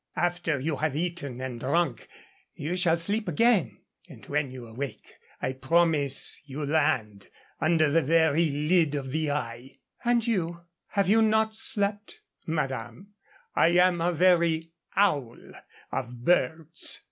After you have eaten and drunk you shall sleep again, and when you awake I promise you land under the very lid of the eye." "And you have you not slept?" "Madame, I am a very owl of birds.